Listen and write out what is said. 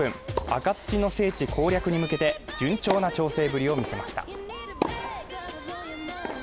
赤土の聖地攻略に向けて順調な調整ぶりを見せました。